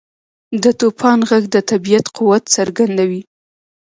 • د توپان ږغ د طبیعت قوت څرګندوي.